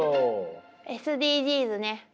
「ＳＤＧｓ」ね。